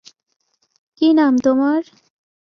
কী নাম তোমার?